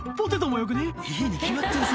いいに決まってるさ。